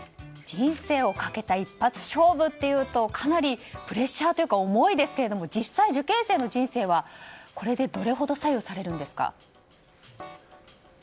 人生をかけた一発勝負というとかなりプレッシャーというか重いですけれども実際に受験生の人生はこれでどれほど左右されるんですか？